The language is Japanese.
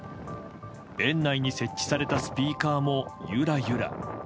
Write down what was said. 園内に設置されたスピーカーもゆらゆら。